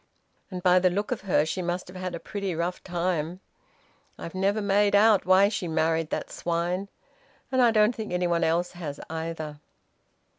And by the look of her she must have had a pretty rough time. I've never made out why she married that swine, and I don't think anyone else has either."